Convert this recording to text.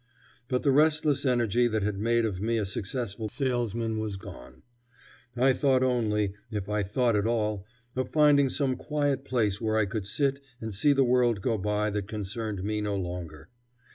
But the restless energy that had made of me a successful salesman was gone. I thought only, if I thought at all, of finding some quiet place where I could sit and see the world go by that concerned me no longer.